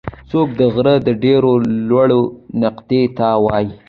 څوکه د غره د ډېرې لوړې نقطې ته وایي.